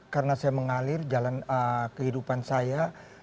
karena saya mengalir jalan kehidupan saya